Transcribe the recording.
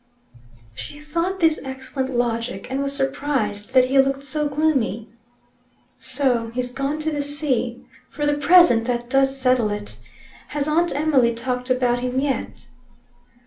She thought this excellent logic, and was surprised that he looked so gloomy. "So he's gone to the sea. For the present that does settle it. Has Aunt Emily talked about him yet?"